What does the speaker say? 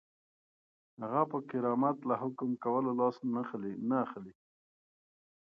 هغه پر کرامت له حکم کولو لاس نه اخلي.